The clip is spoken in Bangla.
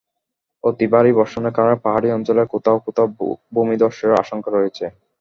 অতি ভারী বর্ষণের কারণে পাহাড়ি অঞ্চলের কোথাও কোথাও ভূমিধসের আশঙ্কা রয়েছে।